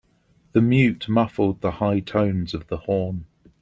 The mute muffled the high tones of the horn.